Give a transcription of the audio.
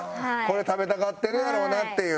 これ食べたがってるやろうなっていう。